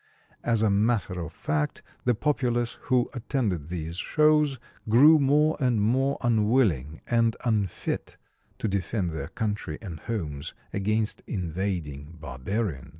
As a matter of fact, the populace who attended these shows grew more and more unwilling and unfit to defend their country and homes against invading barbarians.